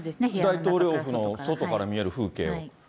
大統領府の外から見える風景を。